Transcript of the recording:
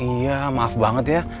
iya maaf banget ya